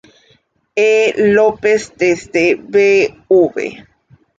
E. López desde Bv.